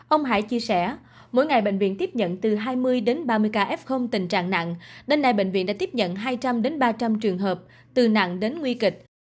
ông hải chia sẻ mỗi ngày bệnh viện tiếp nhận từ hai mươi đến ba mươi ca f tình trạng nặng đến nay bệnh viện đã tiếp nhận hai trăm linh ba trăm linh trường hợp từ nặng đến nguy kịch